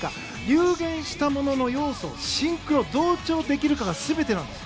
有言したものの要素をシンクロ、同調できるかが全てなんです。